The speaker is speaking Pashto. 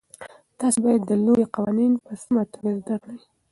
تاسي باید د لوبې قوانین په سمه توګه زده کړئ.